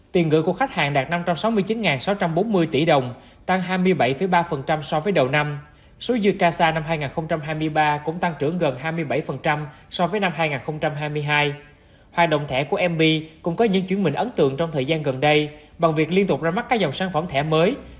tiền gửi của khách hàng đạt năm trăm sáu mươi chín sáu trăm bốn mươi tỷ đồng tăng hai mươi bảy ba so với tỷ lệ tiền gửi không kỳ hạn casa năm hai nghìn hai mươi ba